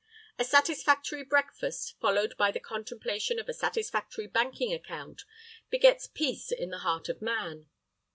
A satisfactory breakfast followed by the contemplation of a satisfactory banking account begets peace in the heart of man.